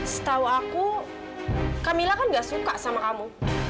setau aku camilla kan nggak suka sama kamu